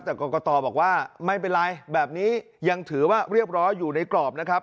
แต่กรกตบอกว่าไม่เป็นไรแบบนี้ยังถือว่าเรียบร้อยอยู่ในกรอบนะครับ